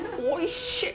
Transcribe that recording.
おいしい！